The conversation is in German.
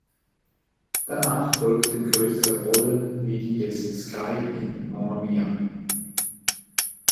Danach folgten größere Rollen wie die des "Sky" in "Mamma Mia!